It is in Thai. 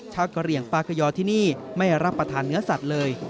กะเหลี่ยงปลาขยอที่นี่ไม่รับประทานเนื้อสัตว์เลย